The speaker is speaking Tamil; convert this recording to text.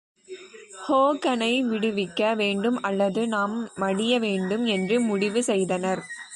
ஹோகனை விடுவிக்க வேண்டும், அல்லது நாம் மடிய வேண்டும் என்று முடிவு செய்தனர்.